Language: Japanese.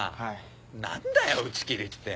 何だよ打ち切りって。